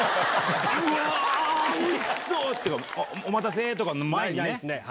お待たせ！とかの前にね。